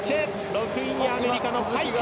６位にアメリカのパイク。